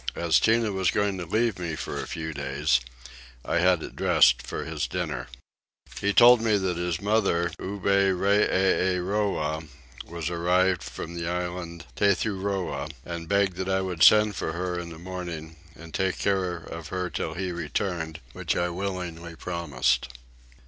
As Tinah was going to leave me for a few days I had it dressed for his dinner. He told me that his mother, Oberreeroah, was arrived from the island Tethuroa, and begged that I would send for her in the morning and take care of her till he returned, which I willingly promised.